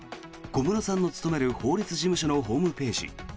小室さんの勤める法律事務所のホームページ。